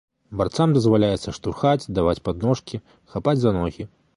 Барцам дазваляецца штурхаць, даваць падножкі, хапаць за ногі.